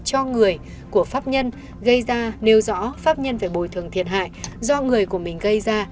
cho người của pháp nhân gây ra nêu rõ pháp nhân phải bồi thường thiệt hại do người của mình gây ra